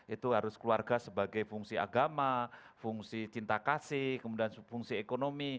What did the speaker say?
itu harus keluarga sebagai fungsi agama fungsi cinta kasih kemudian fungsi ekonomi